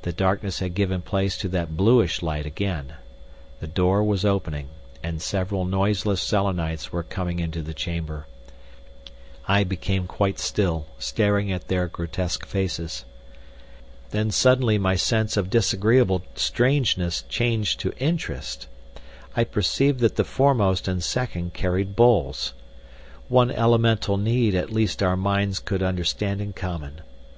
The darkness had given place to that bluish light again. The door was opening, and several noiseless Selenites were coming into the chamber. I became quite still, staring at their grotesque faces. Then suddenly my sense of disagreeable strangeness changed to interest. I perceived that the foremost and second carried bowls. One elemental need at least our minds could understand in common.